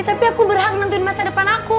ya tapi aku berhak nentuin masa depan aku